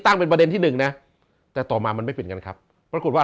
มันเป็นประเด็นที่หนึ่งนะแต่ต่อมามันไม่เป็นกันครับปรากฏว่า